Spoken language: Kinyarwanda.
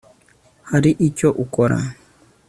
hari icyo ukora